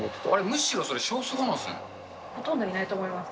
むしろ、それ、少数派なんでほとんどいないと思います。